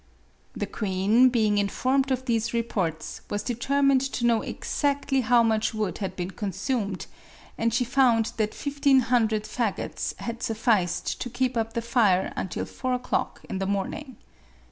The queen, being informed of these reports, was determined to know exactly how much wood had been consumed ; and she found that fifteen hundred fagots had sufficed to keep up the fire until four o'clock in the morning."